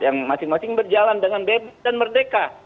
yang masing masing berjalan dengan bebas dan merdeka